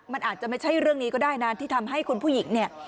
มันอาจจะไม่ใช่เรื่องนี้ก็ได้นะที่ทำให้คุณผู้หญิงเนี่ย